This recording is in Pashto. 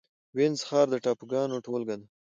وینز ښار د ټاپوګانو ټولګه ده